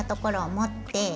持って。